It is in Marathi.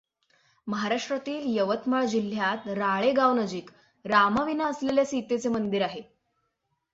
महाराष्ट्रातील यवतमाळ जिल्ह्यात राळेगावनजीक रामाविना असलेल्या सीतेचे मंदिर आहे.